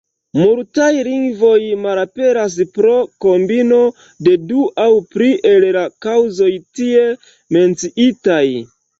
Multaj lingvoj malaperas pro kombino de du aŭ pli el la kaŭzoj tie menciitaj.